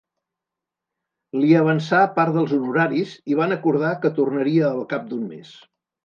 Li avançà part dels honoraris i van acordar que tornaria al cap d'un mes.